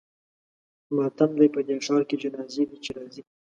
ماتم دی په دې ښار کې جنازې دي چې راځي.